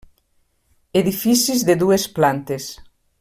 Edificis de dues plantes.